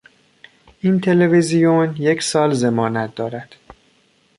این تلویزیون یک سال ضمانت دارد